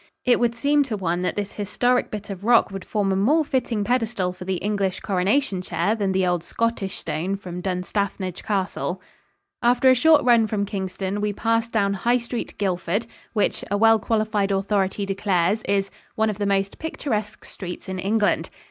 It would seem to one that this historic bit of rock would form a more fitting pedestal for the English coronation chair than the old Scottish stone from Dunstafnage Castle. After a short run from Kingston, we passed down High Street, Guildford, which, a well qualified authority declares, is "one of the most picturesque streets in England."